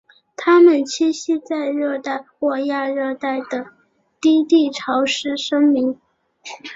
它们栖息在热带或亚热带的低地潮湿森林。